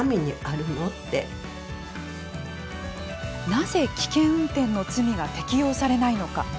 なぜ危険運転の罪が適用されないのか。